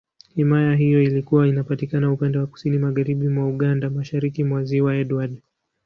Himaya hiyo ilikuwa inapatikana upande wa Kusini Magharibi mwa Uganda, Mashariki mwa Ziwa Edward.